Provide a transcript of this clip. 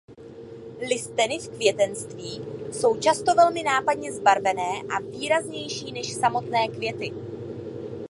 Listeny v květenství jsou často velmi nápadně zbarvené a výraznější než samotné květy.